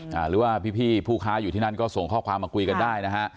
หรือว่าพี่ผู้ค้าอยู่ที่นั่นก็ส่งข้อความมาคุยกันได้นะฮะ